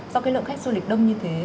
do cái lượng khách du lịch đông như thế